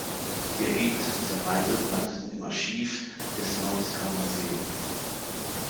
Die Ergebnisse dieser Reise landeten im Archiv des Nordiska museet.